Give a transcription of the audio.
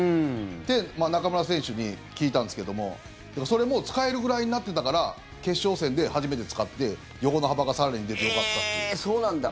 って、中村選手に聞いたんですけどもそれも使えるぐらいになっていたから決勝戦で初めて使って横の幅が更に出てよかったっていう。